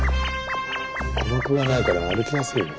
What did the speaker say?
鼓膜がないから歩きやすいね。